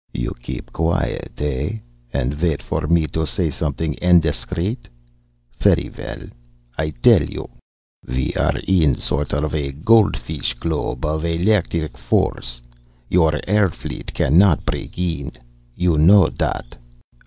"You keep quiet, eh, and wait for me to say something indiscreet? Ferry well, I tell you. We are in a sort of gold fish globe of electric force. Your air fleet cannot break in. You know that!